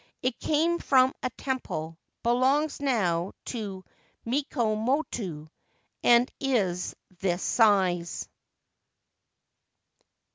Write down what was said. It came from a temple, belongs now to Mikomoto, and is this size.